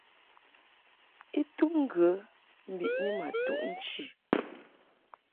I tum ŋgə mbiʼni ma tuʼ nchi.